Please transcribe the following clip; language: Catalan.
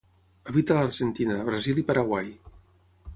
Habita a l'Argentina, Brasil i Paraguai.